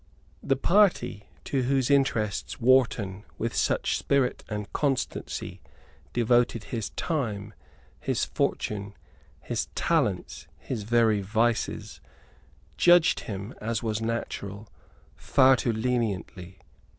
The party to whose interests Wharton, with such spirit and constancy, devoted his time, his fortune, his talents, his very vices, judged him, as was natural, far too leniently.